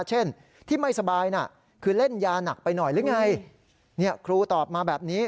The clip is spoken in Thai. เช่นที่ไม่สบายน่ะคือเล่นยาหนักไปหน่อยหรือไงครูตอบมาแบบนี้